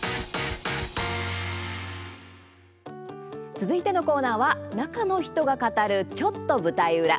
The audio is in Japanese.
続いてのコーナーは中の人が語る「ちょっと舞台裏」。